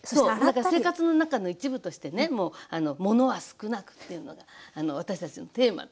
だから生活の中の一部としてねもうものは少なくっていうのがあの私たちのテーマ。